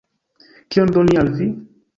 Kion doni al vi?